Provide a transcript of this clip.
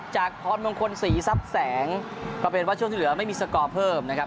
พรมงคลศรีทรัพย์แสงก็เป็นว่าช่วงที่เหลือไม่มีสกอร์เพิ่มนะครับ